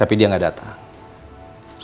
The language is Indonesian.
tapi dia gak datang